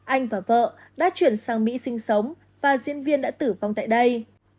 anh và vợ đã chuyển sang mỹ sinh sống và diễn viên đã tử vong tại đây